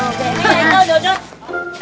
ini haikal dodot